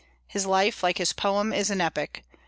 His life, like his poem, is an epic.